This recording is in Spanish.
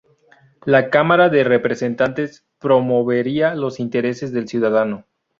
La Cámara de Representantes promovería los intereses del ciudadano.